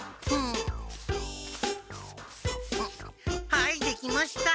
はいできました！